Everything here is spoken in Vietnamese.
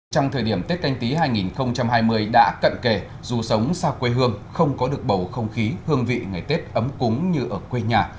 trong thời điểm tết canh tí hai nghìn hai mươi đã cận kề dù sống xa quê hương không có được bầu không khí hương vị ngày tết ấm cúng như ở quê nhà